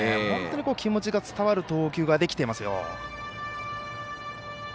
本当に気持ちが伝わる投球ができていますよ。